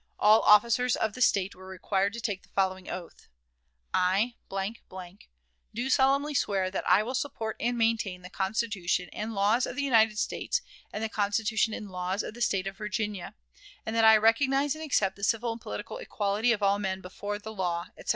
All officers of the State were required to take the following oath: "I, , do solemnly swear that I will support and maintain the Constitution and laws of the United States and the Constitution and laws of the State of Virginia; and that I recognize and accept the civil and political equality of all men before the law," etc.